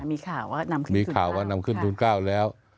มีข่าวว่านำขึ้นทูลเกล้ามีข่าวว่านำขึ้นทูลเกล้าแล้ว